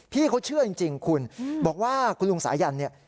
พี่เขาเชื่อจริงคุณบอกว่าคุณลุงสายันเนี่ย